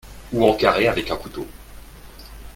ou en carrés avec un couteau